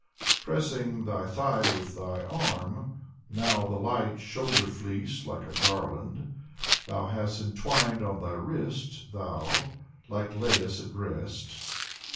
Pressing thy thigh with thy arm, now the light shoulder fleece like a garland Thou hast entwined on thy wrist, thou, like Liasus at rest.